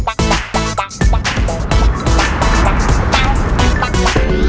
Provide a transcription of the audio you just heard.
โปรดติดตามตอนต่อไป